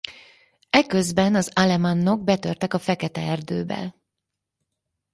Eközben az alemannok betörtek a Fekete-erdőbe.